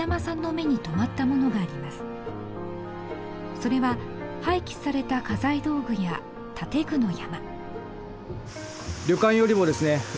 それは廃棄された家財道具や建具の山。